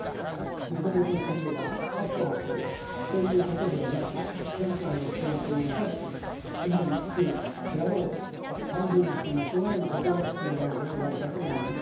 「喉元過ぎれば熱さ忘れる」ということではなく今回の教訓を生かして次に来るであろうパンデミックに備えることが必要なのではないかと思います。